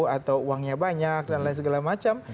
atau uangnya banyak dan lain segala macam